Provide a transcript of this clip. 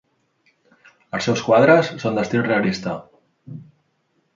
Els seus quadres són d'estil realista.